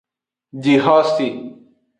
Jixose.